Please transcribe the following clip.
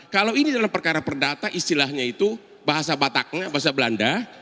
kalau ini dalam perkara perdata istilahnya itu bahasa bataknya bahasa belanda